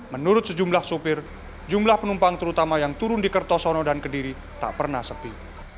menurut sejumlah sopir jumlah penumpang terutama yang turun di kertosono dan kediri tak pernah sepi